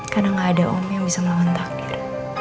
karena gak ada om yang bisa melawan takdir